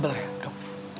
agak tebel ya dok